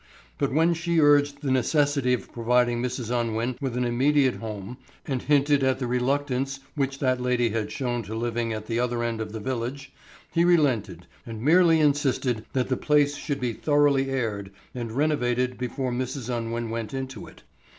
But when she urged the necessity of providing Mrs. Unwin with an immediate home and hinted at the reluctance which that lady had shown to living at the other end of the village, he relented and merely insisted that the place should be thoroughly aired and renovated before Mrs. Unwin went into it.